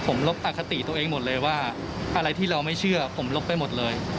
ผมลบอคติตัวเองหมดเลยว่าอะไรที่เราไม่เชื่อผมลบไปหมดเลย